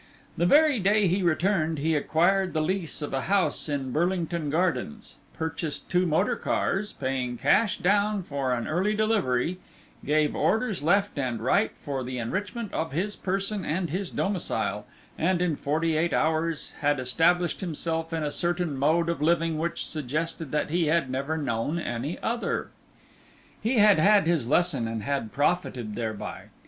The very day he returned he acquired the lease of a house in Burlington Gardens, purchased two motor cars, paying cash down for an early delivery, gave orders left and right for the enrichment of his person and his domicile, and in forty eight hours had established himself in a certain mode of living which suggested that he had never known any other. He had had his lesson and had profited thereby.